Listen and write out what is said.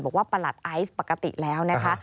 บอกว่าประหลัดไอซ์ปกติแล้วนะคะ